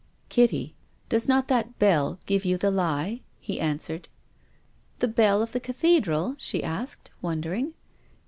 " Kitty, docs not that bell give you the lie?" he answered. " The bell of the Cathedral ?" she asked, wondering.